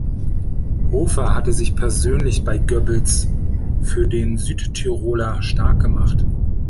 Hofer hatte sich persönlich bei Goebbels für den Südtiroler starkgemacht.